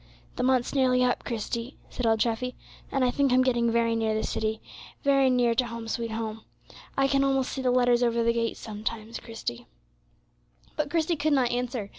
"The month's nearly up, Christie," said old Treffy; "and I think I'm getting very near the city, very near to 'Home, sweet Home.' I can almost see the letters over the gate sometimes, Christie." But Christie could not answer.